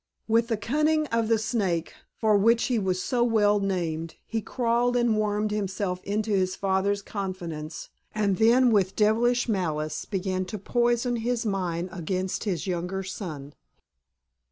With the cunning of the snake, for which he was so well named, he crawled and wormed himself into his father's confidence, and then with devilish malice began to poison his mind against his younger son.